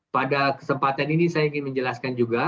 pada kesempatan ini saya ingin menjelaskan juga